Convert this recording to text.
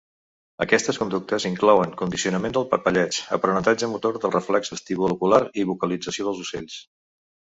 Aquestes conductes inclouen condicionament del parpelleig, aprenentatge motor del reflex vestíbul-ocular i vocalització dels ocells.